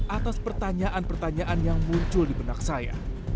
atas pertanyaan pertanyaan yang muncul di benak saya